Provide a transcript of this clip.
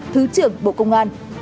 thứ trưởng bộ công an